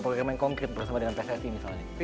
atau ada yang main konkret bersama dengan pssi misalnya